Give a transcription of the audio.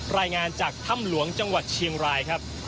รายงานจากถ้ำหลวงจังหวัดเชียงรายครับ